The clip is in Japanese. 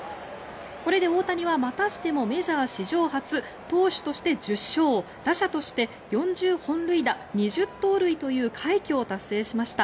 これで大谷はまたしてもメジャー史上初投手として１０勝打者として４０本塁打２０盗塁という快挙を達成しました。